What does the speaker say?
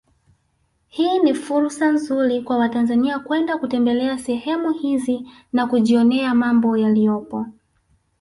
Hii ni fursa nzuri kwa watanzania kwenda kutembelea sehemu hizi na kujionea mambo yaliyopo